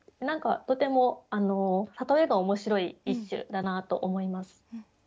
何かとても例えが面白い一首だなと思います。